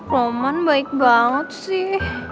roman baik banget sih